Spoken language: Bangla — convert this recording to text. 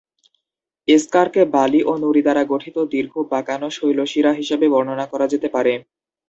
এসকারকে বালি ও নুড়ি দ্বারা গঠিত দীর্ঘ, বাঁকানো শৈলশিরা হিসেবে বর্ণনা করা যেতে পারে।